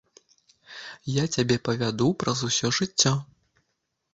Я цябе павяду праз усё жыццё.